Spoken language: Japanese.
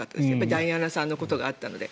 ダイアナさんのことがあったので。